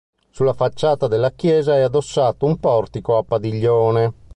Sulla facciata della chiesa è addossato un portico a padiglione.